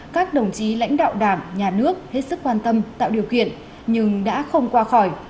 các đồng chí lãnh đạo đảng nhà nước hết sức quan tâm tạo điều kiện nhưng đã không qua khỏi